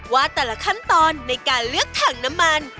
ว่าแต่ละขั้นตอนในการเลือกถังน้ำมัน